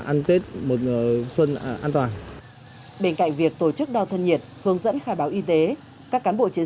ăn tết một mùa xuân an toàn bên cạnh việc tổ chức đo thân nhiệt hướng dẫn khai báo y tế các cán bộ chiến